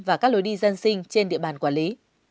và các lối đi dân sinh trên địa bàn quản lý